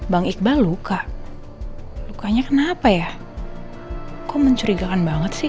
bang iqbal luka lukanya kenapa ya kok mencurigakan banget sih